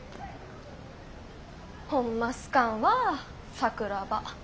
ホンマ好かんわ桜庭。